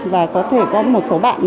và có thể có một số bạn